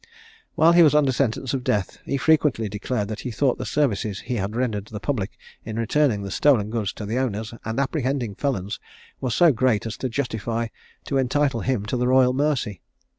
When he was under sentence of death, he frequently declared that he thought the services he had rendered the public in returning the stolen goods to the owners, and apprehending felons, was so great, as justly to entitle him to the royal mercy.